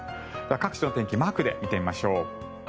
各地の天気をマークで見てみましょう。